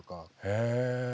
へえ。